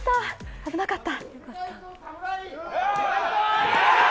危なかった。